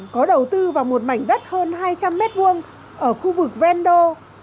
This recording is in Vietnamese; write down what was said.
có đầu tư vào một mảnh đất hơn hai trăm linh mét vuông ở khu vực vendô